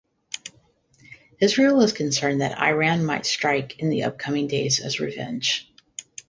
Israel is concerned that Iran might strike in the upcoming days as revenge.